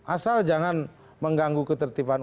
asal jangan mengganggu ketertiban